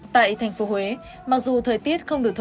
tại thành phố huế mặc dù thời tiết không được thử